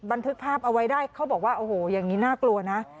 บันทึกภาพเอาไว้ได้เขาบอกว่าโอ้โหอย่างนี้น่ากลัวนะ